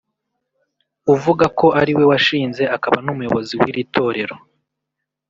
uvuga ko ariwe washinze akaba n’umuyobozi w’Itorero